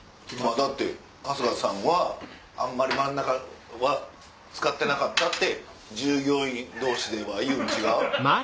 だって「春日さんはあんまり真ん中は使ってなかった」って従業員同士では言うん違う？